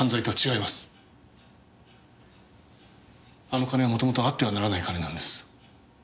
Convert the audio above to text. あの金は元々あってはならない金なんです。